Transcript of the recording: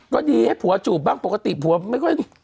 ก็ดีให้ผัวจูบบ้างปกติผัวไม่ค่อย